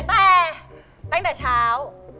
แต่ตั้งแต่เช้า